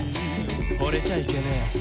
「ほれちゃいけねえ」